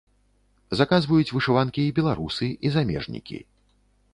Заказваюць вышыванкі і беларусы, і замежнікі.